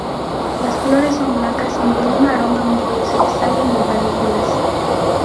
Las flores son blancas y de un aroma muy dulce, salen en panículas.